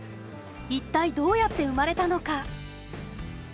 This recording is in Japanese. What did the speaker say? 一体どうやって生まれたのか。